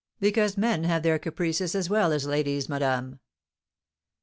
"Because men have their caprices, as well as ladies, madame."